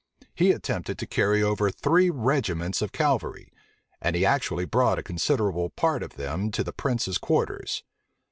He attempted to carry over three regiments of cavalry; and he actually brought a considerable part of them to the prince's quarters.